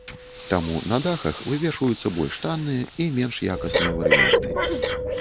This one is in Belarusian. Таму на дахах вывешваюцца больш танныя і менш якасныя варыянты.